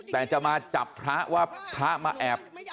แต่จะมาจับพระว่าพระมาแอบ